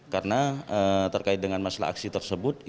karena terkait dengan masalah aksi tersebut